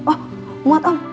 oh muat om